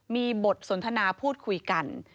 มีบทสนทนาพูดคุยกัน